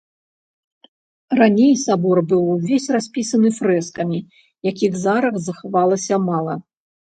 Раней сабор быў увесь распісаны фрэскамі, якіх зараз захавалася мала.